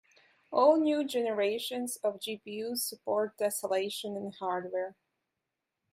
All new generations of GPUs support tesselation in hardware.